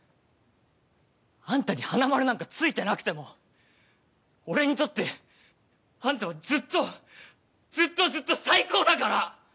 あんたに、はなまるなんかついてなくても、俺にとってあんたは、ずっと、ずっとずっと最高だから！